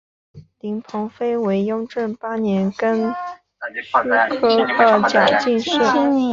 林鹏飞为雍正八年庚戌科二甲进士。